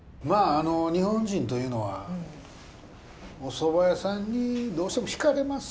あの日本人というのはお蕎麦屋さんにどうしても惹かれますよね。